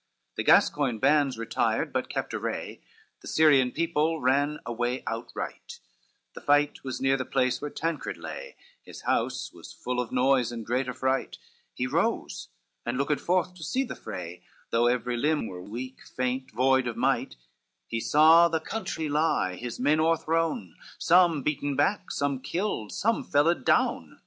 LXXXIII The Gascoign bands retired, but kept array, The Syrian people ran away outright, The fight was near the place where Tancred lay, His house was full of noise and great affright, He rose and looked forth to see the fray, Though every limb were weak, faint, void of might; He saw the country lie, his men o'erthrown, Some beaten back, some killed, some felled down.